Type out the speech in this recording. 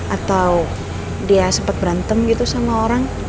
atau dia sempat berantem gitu sama orang